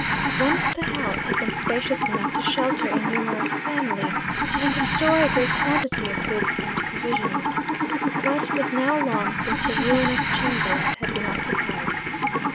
Once the house had been spacious enough to shelter a numerous family and to store a great quantity of goods and provisions, but it was now long since the ruinous chambers had been occupied.